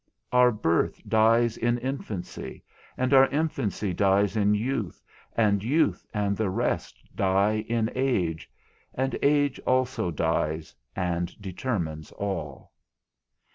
Our birth dies in infancy, and our infancy dies in youth, and youth and the rest die in age, and age also dies and determines all.